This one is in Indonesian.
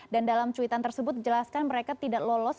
dan dalam cuitan tersebut jelaskan mereka tidak lolos